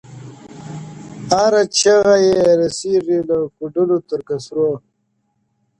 • هره چیغه یې رسېږي له کوډلو تر قصرونو -